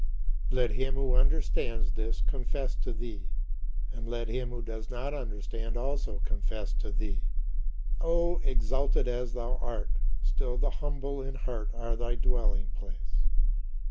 Let him who understands this confess to thee; and let him who does not understand also confess to thee! Oh, exalted as thou art, still the humble in heart are thy dwelling place!